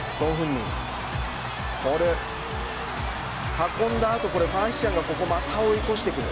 運んだ後、ファン・ヒチャンがまた追い越してくる。